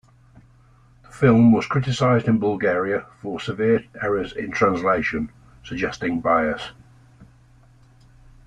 The film was criticised in Bulgaria for severe errors in translation, suggesting bias.